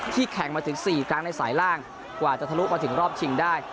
แข่งมาถึง๔ครั้งในสายล่างกว่าจะทะลุมาถึงรอบชิงได้